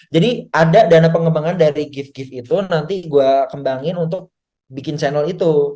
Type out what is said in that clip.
jadi ada dana pengembangan dari gift gift itu nanti gue bisa dapet youtube endorse gitu gue dapat udah cukup dan gue kerja juga disini part time udah cukup gitu kan